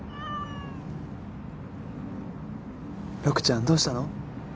陸ちゃんどうしたの？